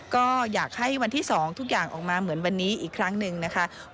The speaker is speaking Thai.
ก็อยากให้วันที่๒ทุกอย่างออกมาเหมือนวันนี้อีกครั้งหนึ่งนะคะ